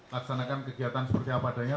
laksanakan kegiatan seperti apa adanya